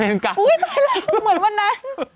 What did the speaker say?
เหมือนบ้านนั้น